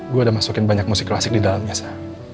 gue udah masukin banyak musik klasik di dalamnya saya